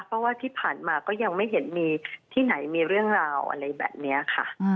เพราะว่าที่ผ่านมาก็ยังไม่เห็นมีที่ไหนมีเรื่องราวอะไรแบบนี้ค่ะ